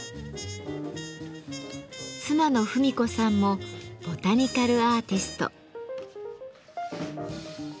妻の文子さんもボタニカルアーティスト。